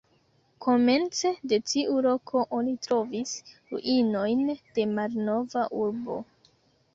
Komence de tiu loko oni trovis ruinojn de malnova urbo.